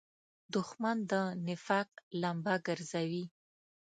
دښمن د نفاق لمبه ګرځوي